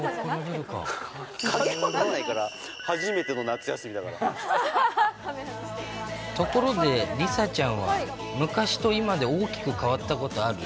加減分かんないから、初めての夏ところで、梨紗ちゃんは昔と今で大きく変わったことある？